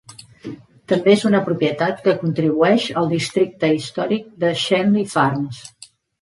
També és una propietat que contribueix al districte històric de Schenley Farms.